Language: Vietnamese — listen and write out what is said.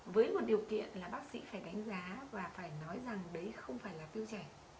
với một điều kiện là bác sĩ phải đánh giá và phải nói rằng đấy không phải là phiêu trẻ